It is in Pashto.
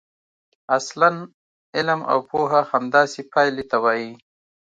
اصلاً علم او پوهه همداسې پایلې ته وايي.